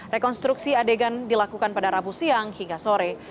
rekonstruksi adegan dilakukan pada rabu siang hingga sore